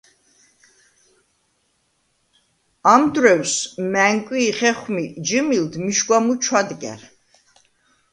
ამ დრუ̂ეუ̂ს მა̈ნკუ̂ი̄ ხეხუ̂მი ჯჷმილდ მიშგუ̂ა მუ ჩუ̂ადგა̈რ.